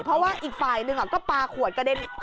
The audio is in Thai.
เพราะว่าอีกฝ่ายหนึ่งก็ปลาขวดกระเด็น